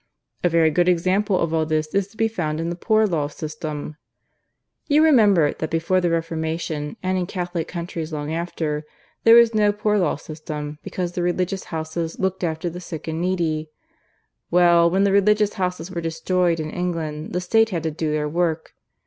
"A very good example of all this is to be found in the Poor law system. "You remember that before the Reformation, and in Catholic countries long after, there was no Poor law system, because the Religious Houses looked after the sick and needy. Well, when the Religious Houses were destroyed in England the State had to do their work.